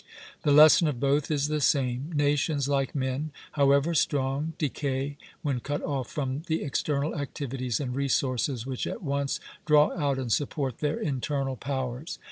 The lesson of both is the same; nations, like men, however strong, decay when cut off from the external activities and resources which at once draw out and support their internal powers.